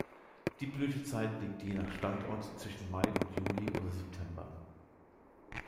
Die Blütezeit liegt je nach Standort zwischen Mai und Juli oder September.